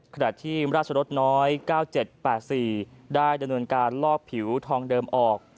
ขณะที่ราชรสน้อยเก้าเจ็ดแปดสี่ได้ดำเนินการลอกผิวทองเดิมออก